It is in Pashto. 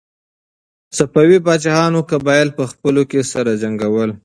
صفوي پاچاهانو قبایل په خپلو کې سره جنګول.